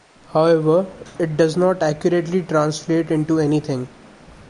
However, it does not accurately translate into anything.